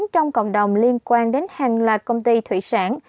trong cộng đồng liên quan đến hàng loạt công ty thủy sản